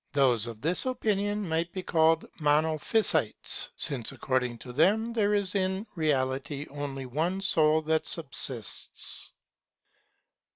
Those who are of this opinion might be called 'Monopsychites', since according to them there is in reality only one soul that subsists.